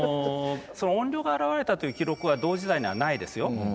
怨霊が現れたという記録は同時代にはないですよ。